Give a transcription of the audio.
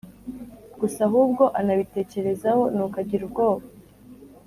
gusa ahubwo anabitekerezaho nuko agira ubwoba.